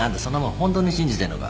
本当に信じてんのか？